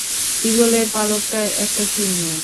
ঈগলের পালকটা একটা চিহ্ন।